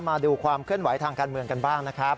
มาดูความเคลื่อนไหวทางการเมืองกันบ้างนะครับ